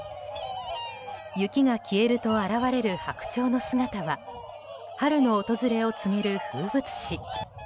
雪が消えると現れるハクチョウの姿は春の訪れを告げる風物詩。